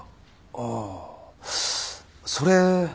ああそれ。